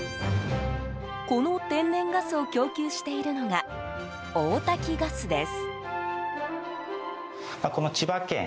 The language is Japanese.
この天然ガスを供給しているのが大多喜ガスです。